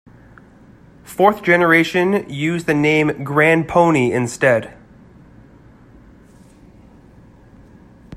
Fourth generation uses the name "Grand Pony" instead.